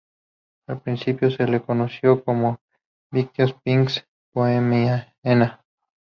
Al principio se les conoció como "Vicious Pink Phenomena".